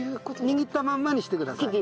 握ったまんまにしてください。